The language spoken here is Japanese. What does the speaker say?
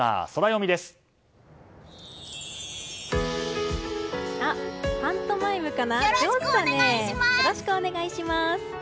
よろしくお願いします！